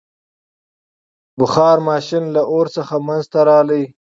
• بخار ماشین له اور څخه منځته راغی.